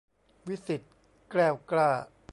วิศิษฎ์ แกล้วกล้า